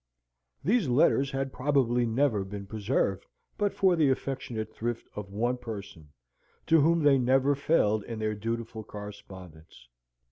These letters had probably never been preserved, but for the affectionate thrift of one person, to whom they never failed in their dutiful correspondence.